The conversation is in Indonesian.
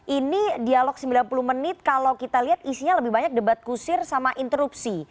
ini dialog sembilan puluh menit kalau kita lihat isinya lebih banyak debat kusir sama interupsi